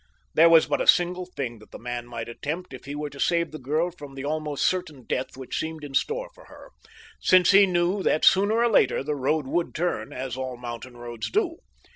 There was but a single thing that the man might attempt if he were to save the girl from the almost certain death which seemed in store for her, since he knew that sooner or later the road would turn, as all mountain roads do.